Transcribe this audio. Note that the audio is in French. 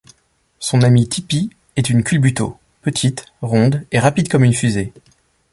Son amie Tippy est une Culbuto, petite, ronde et rapide comme une fusée.